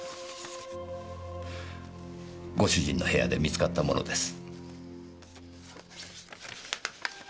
ご主人の部屋で見つかったものです。